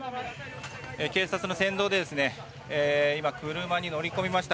警察の先導で今、車に乗り込みました。